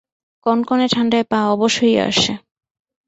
কনকনে ঠাণ্ডায় পা অবশ হইয়া আসে।